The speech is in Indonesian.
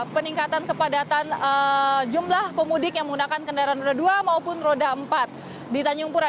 peningkatan kepadatan jumlah pemudik yang menggunakan kendaraan roda dua maupun roda empat di tanjung pura